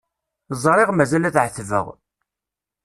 Ẓriɣ mazal ad ɛettbeɣ.